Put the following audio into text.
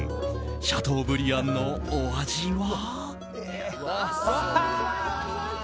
シャトーブリアンのお味は？